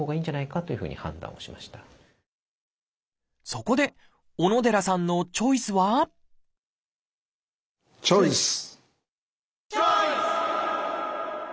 そこで小野寺さんのチョイスはチョイス！